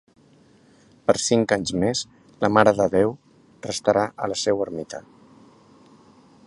Per cinc anys més la Mare de Déu restarà a la seua Ermita.